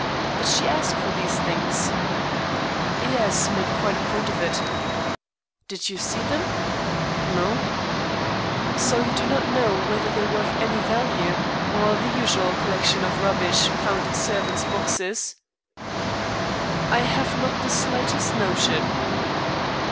"Did she ask for these things?" "Yes. Made quite a point of it." "Did you see them?" "No." "So you do not know whether they were of any value, or the usual collection of rubbish found in servants' boxes." "I have not the slightest notion."